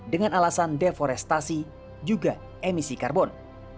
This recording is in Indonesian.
dengan alasan deforestasi juga emisi karbon